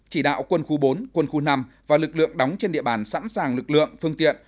chỉ đạo quân khu bốn quân khu năm và lực lượng đóng trên địa bàn sẵn sàng lực lượng phương tiện